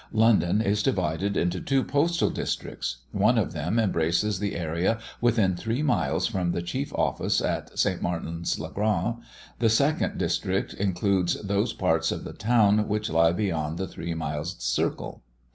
London is divided into two postal districts: one of them embraces the area within three miles from the Chief Office at St. Martin's le Grand; the second district includes those parts of the town which lie beyond the three miles' circle.